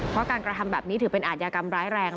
เพราะการกระทำแบบนี้ถือเป็นอาทยากรรมร้ายแรง